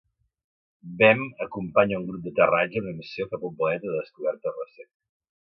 Bem acompanya un grup d'aterratge en una missió cap a un planeta de descoberta recent.